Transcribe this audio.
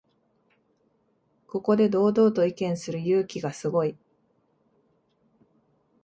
ここで堂々と意見する勇気がすごい